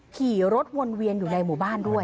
ขี่รถวนเวียนอยู่ในหมู่บ้านด้วย